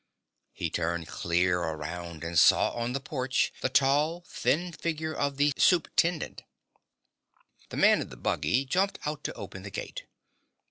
He turned clear around and saw on the porch the tall, thin figure of the Supe'tendent. The man in the buggy jumped out to open the gate.